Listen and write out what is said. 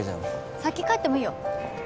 先帰ってもいいよ。